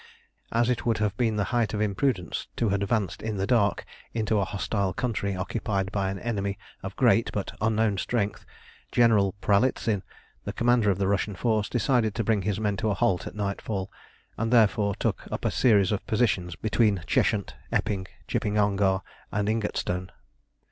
As it would have been the height of imprudence to have advanced in the dark into a hostile country occupied by an enemy of great but unknown strength, General Pralitzin, the Commander of the Russian force, decided to bring his men to a halt at nightfall, and therefore took up a series of positions between Cheshunt, Epping, Chipping Ongar, and Ingatestone.